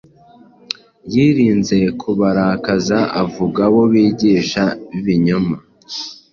yirinze kubarakaza avuga abo bigisha b’ibinyoma.